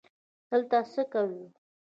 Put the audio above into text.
_دلته څه کوو؟